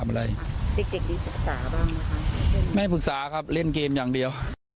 ไม่ให้ปรึกษาครับเล่นเกมอย่างเดียว